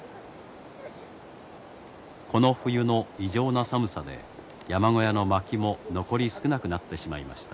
この冬の異常な寒さで山小屋の薪も残り少なくなってしまいました。